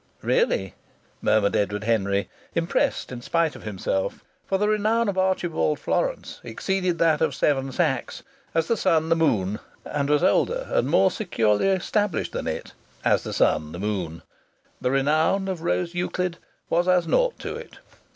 "Really!" murmured Edward Henry, impressed in spite of himself. For the renown of Archibald Florance exceeded that of Seven Sachs as the sun the moon, and was older and more securely established than it as the sun the moon. The renown of Rose Euclid was as naught to it.